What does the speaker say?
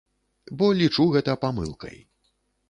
Бо лічу гэта памылкай.